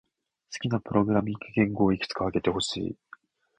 好きなプログラミング言語をいくつか挙げてほしい。